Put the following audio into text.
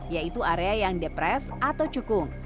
yaitu area yang depres atau cukung